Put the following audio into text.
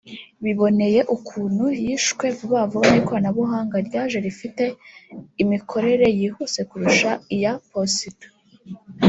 biboneye ukuntu yishwe vuba vuba n’ikoranabuhanga ryaje rifite imikorere yihuse kurusha iya posita